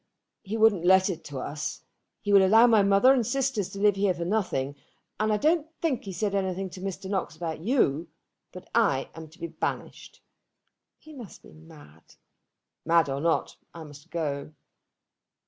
"He wouldn't let it to us; he will allow my mother and sisters to live here for nothing; and I don't think he has said anything to Mr. Knox about you. But I am to be banished." "He must be mad." "Mad or not, I must go."